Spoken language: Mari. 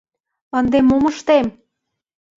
— Ынде мом ыштем?